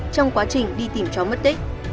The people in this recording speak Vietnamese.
trong quá trình đi tìm chó mất tích